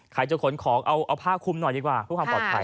จะขนของเอาผ้าคุมหน่อยดีกว่าเพื่อความปลอดภัย